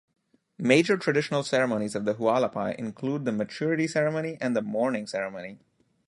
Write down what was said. Major traditional ceremonies of the Hualapai include the "Maturity" ceremony and the "Mourning" ceremony.